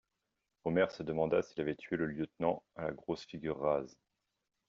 Omer se demanda s'il avait tué le lieutenant à la grosse figure rase.